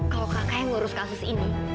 kalau kakak yang ngurus kasus ini